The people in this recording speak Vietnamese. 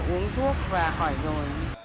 uống thuốc và khỏi rồi